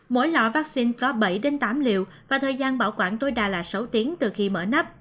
mỗi loại vaccine có bảy tám liệu và thời gian bảo quản tối đa là sáu tiếng từ khi mở nắp